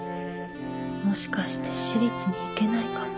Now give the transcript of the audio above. もしかして私立に行けないかも。